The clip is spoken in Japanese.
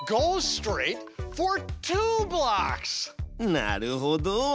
なるほど！